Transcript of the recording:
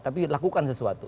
tapi lakukan sesuatu